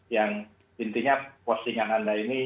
yang intinya postingan anda ini